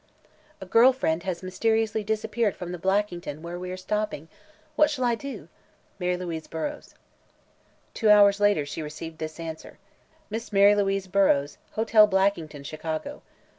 "A girl friend has mysteriously disappeared from the Blackington, where we are stopping. What shall I do? Mary Louise Burrows." Two hours later she received this answer: "Miss Mary Louise Burrows, Hotel Blackington, Chicago.